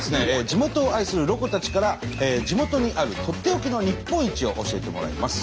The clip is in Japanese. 地元を愛するロコたちから地元にあるとっておきの日本一を教えてもらいます。